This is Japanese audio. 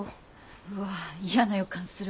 うわ嫌な予感するわ。